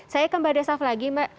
saya ke mbak desaf lagi mbak